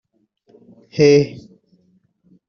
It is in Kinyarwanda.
hehe